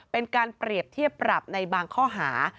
เป็นการเปรียบเทียบปรับในบางข้อหา